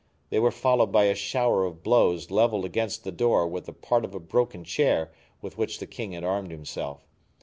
They were followed by a shower of blows leveled against the door with a part of the broken chair with which the king had armed himself.